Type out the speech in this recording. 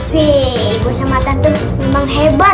yee gue sama tante memang hebat